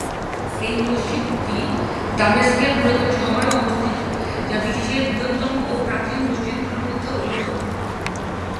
এই মসজিদটি দামেস্কের পুরাতন শহরে অবস্থিত, যা বিশ্বের বৃহত্তম ও প্রাচীন মসজিদগুলোর মধ্যে অন্যতম।